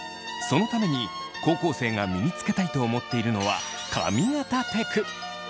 そのために高校生が身につけたいと思っているのは髪形テク！